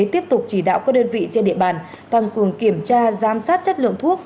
tiếp tục chỉ đạo các đơn vị trên địa bàn tăng cường kiểm tra giám sát chất lượng thuốc